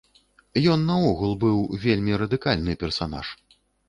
Ён наогул быў вельмі радыкальны персанаж.